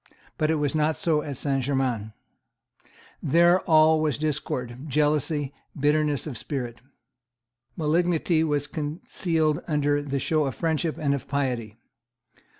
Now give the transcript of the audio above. But it was not so at Saint Germains. There all was discord, jealousy, bitterness of spirit. Malignity was concealed under the show of friendship and of piety.